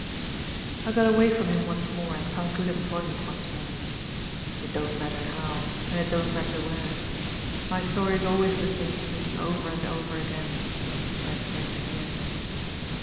"I got away from him once more, and found good employment once more. It don't matter how, and it don't matter where. My story is always the same thing, over and over again. Best get to the end.